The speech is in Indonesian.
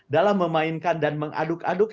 dalam memainkan dan mengaduk aduk